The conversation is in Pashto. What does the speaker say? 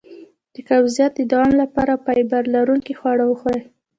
د قبضیت د دوام لپاره فایبر لرونکي خواړه وخورئ